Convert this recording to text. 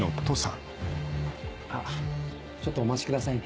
あっちょっとお待ちくださいね。